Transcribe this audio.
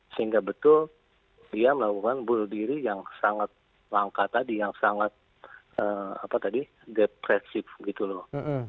sehingga betul dia melakukan bunuh diri yang sangat langka tadi yang sangat depresif gitu loh